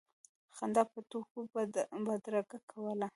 خندا به د ټوکو بدرګه کوله.